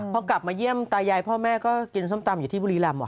พอกลับมาเยี่ยมตายายพ่อแม่ก็กินส้มตำอยู่ที่บุรีรำ